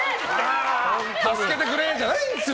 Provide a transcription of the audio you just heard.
助けてくれー！じゃないんですよ！